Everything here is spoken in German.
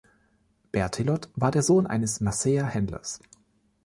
Berthelot war der Sohn eines Marseiller Händlers.